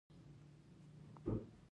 یوازې په همدې شیبې کې وډار شوم